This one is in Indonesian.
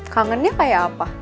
kangennya kayak apa